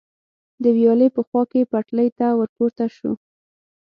د ویالې په خوا کې پټلۍ ته ور پورته شو.